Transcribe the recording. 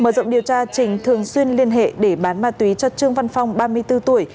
mở rộng điều tra trình thường xuyên liên hệ để bán ma túy cho trương văn phong ba mươi bốn tuổi